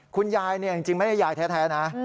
คุณยายจริงไม่ได้ยายแท้นะ